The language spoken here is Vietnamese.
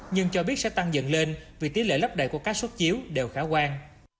nhưng cho biết sẽ tăng dần lên vì tỷ lệ lắp đầy của các xuất chiếu đều khá quan